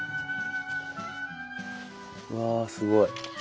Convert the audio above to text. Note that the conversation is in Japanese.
うわすごい。